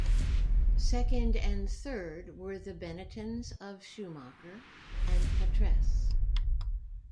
Second and third were the Benettons of Schumacher and Patrese.